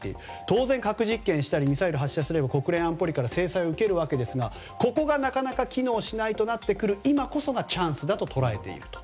当然、核実験したりミサイルを発射したりすれば国連安保理から制裁を受けるわけですがここがなかなか機能しないとなってくる今こそがチャンスととらえていると。